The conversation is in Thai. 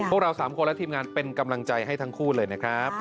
พวกเรา๓คนและทีมงานเป็นกำลังใจให้ทั้งคู่เลยนะครับ